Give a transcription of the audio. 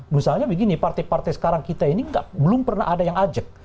misalnya begini partai partai sekarang kita ini belum pernah ada yang ajak